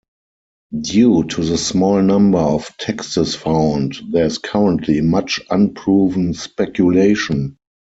Due to the small number of texts found, there is currently much unproven speculation.